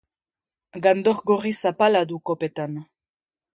Gandor gorri zapala du kopetan.